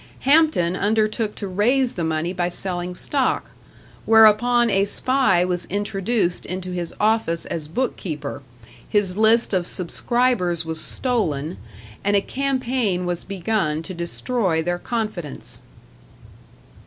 Hampton undertook to raise the money by selling stock; whereupon a spy was introduced into his office as bookkeeper, his list of subscribers was stolen, and a campaign was begun to destroy their confidence.